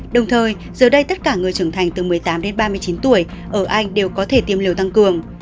đồng thời giờ đây tất cả người trưởng thành từ một mươi tám đến ba mươi chín tuổi ở anh đều có thể tiêm liều tăng cường